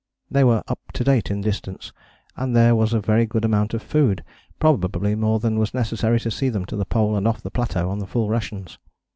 They were up to date in distance, and there was a very good amount of food, probably more than was necessary to see them to the Pole and off the plateau on full rations.